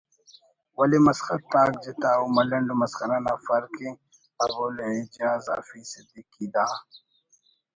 ولے مسخت آک جتا ءُ ملنڈ و مسخرہ نا فرق ءِ ابوالاعجاز حفیظ صدیقی دا